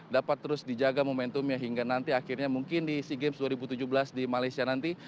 dapat terus dijaga momentumnya hingga nanti akhirnya mungkin di sea games dua ribu tujuh belas di malaysia nanti